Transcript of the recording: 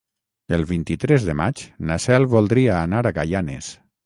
El vint-i-tres de maig na Cel voldria anar a Gaianes.